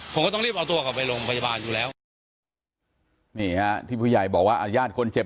ผมก็ต้องรีบเอาตัวกลับไปโรงพยาบาลอยู่แล้วนี่ฮะที่ผู้ใหญ่บอกว่าอ่าญาติคนเจ็บ